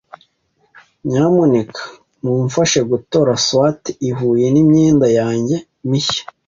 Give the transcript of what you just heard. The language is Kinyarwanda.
Nyamuneka mumfashe gutora swater ihuye n imyenda yanjye mishya.